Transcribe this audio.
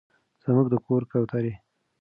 زموږ د کور کوترې